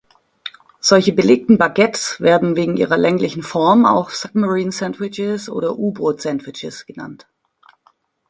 Solche belegten Baguettes werden wegen ihrer länglichen Form auch "Submarine Sandwiches" oder "U-Boot-Sandwiches" genannt.